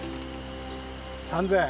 ３，０００。